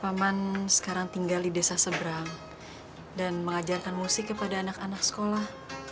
paman sekarang tinggal di desa seberang dan mengajarkan musik kepada anak anak sekolah